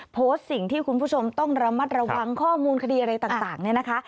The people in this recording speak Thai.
โพสต์สิ่งที่คุณผู้ชมต้องระมัดระวังข้อมูลคดีอะไรต่างเนี่ยนะคะ